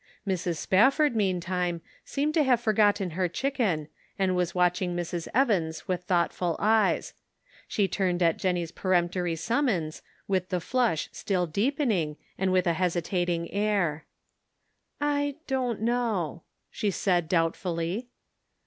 Mrs. Spafford, meantime, seemed to have forgotten her chicken, and was watching Mrs. Evans with thoughtful eyes. She turned at Jennie's peremptory summons, with the flush still deepening and with a hesitating air. " I don't know," she said, doubtfully.